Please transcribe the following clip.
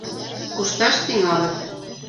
Кушташ тӱҥалыт.